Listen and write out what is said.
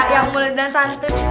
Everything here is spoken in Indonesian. yang mulai dan santai